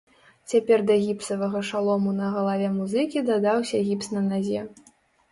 Цяпер да гіпсавага шалому на галаве музыкі дадаўся гіпс на назе.